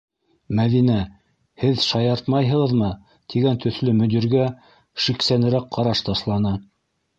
- Мәҙинә «һеҙ шаяртмайһығыҙмы» тигән төҫлө мөдиргә шиксәнерәк ҡараш ташланы.